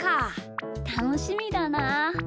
たのしみだなあ。